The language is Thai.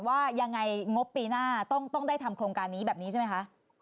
ว่ายังไงงบปีหน้าต้องได้ทำโครงการนี้แบบนี้ใช่ไหมคะ